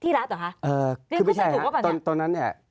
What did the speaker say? เรียนคุณใช่ถูกหรือเปล่าแบบนี้คือไม่ใช่ครับตอนนั้น